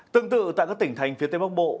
tương tự tại các tỉnh thành phía tây bắc bộ